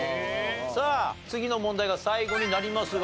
さあ次の問題が最後になりますが。